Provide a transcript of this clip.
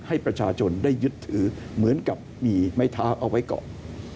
ให้ประชาชนได้ยึดถือเหมือนกับมีไม้เท้าเอาไว้ก่อน